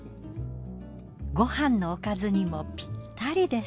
ご飯のおかずにもぴったりです。